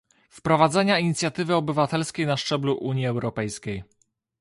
wprowadzenia inicjatywy obywatelskiej na szczeblu Unii Europejskiej